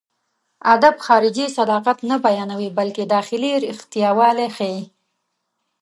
ادب خارجي صداقت نه بيانوي، بلکې داخلي رښتياوالی ښيي.